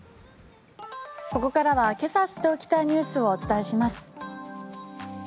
ここからはけさ知っておきたいニュースをお伝えします。